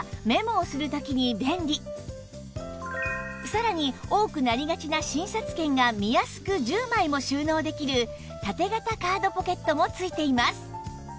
さらに多くなりがちな診察券が見やすく１０枚も収納できる縦型カードポケットも付いています